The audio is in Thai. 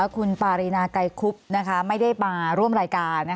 คุณปารีนาไกรคุบไม่ได้มาร่วมรายการ